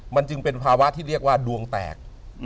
มันจึงเป็นภาวะที่เรียกว่าดวงแตก